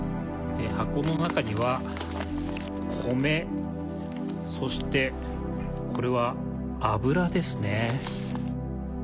箱の中には、米、そしてこれは油ですね。